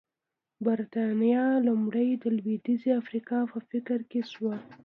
برېټانیا لومړی د لوېدیځې افریقا په فکر کې شوه.